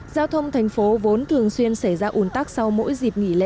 giao thông tp hcm vốn thường xuyên xảy ra ủn tắc sau mỗi dịp nghỉ lễ